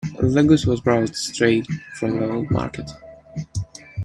The goose was brought straight from the old market.